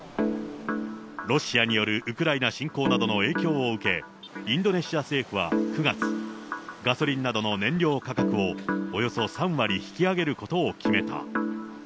ロシアによるウクライナ侵攻などの影響を受け、インドネシア政府は９月、ガソリンなどの燃料価格をおよそ３割引き上げることを決めた。